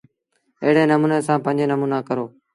ايڙي نموٚني سآݩ پنج نموݩآ ڪرو۔